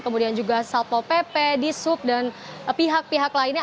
kemudian juga salpo pp disuk dan pihak pihak lainnya